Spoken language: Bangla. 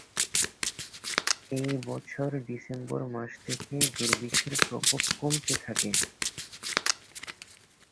একই বছর ডিসেম্বর মাস থেকে দুর্ভিক্ষের প্রকোপ কমতে থাকে।